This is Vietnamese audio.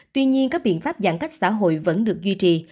tuy nhiên các biện pháp giãn cách xã hội vẫn được duy trì